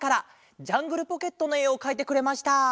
「ジャングルポケット」のえをかいてくれました。